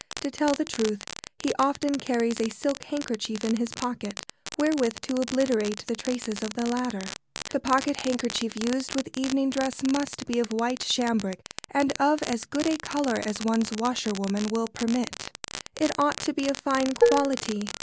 To tell the truth, he often carries a silk handkerchief in his pocket wherewith to obliterate the traces of the latter. The pocket handkerchief used with evening dress must be of white cambric, and of as good a colour as one's washerwoman will permit. It ought to be of fine quality.